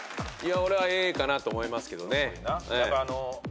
俺はＡかなと思いますけどね。